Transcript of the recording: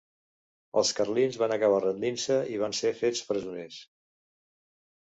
Els carlins van acabar rendint-se i van ser fets presoners.